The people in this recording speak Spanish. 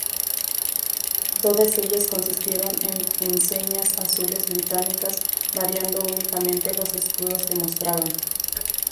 Todas ellas consistieron en Enseñas Azules Británicas, variando únicamente los escudos que mostraban.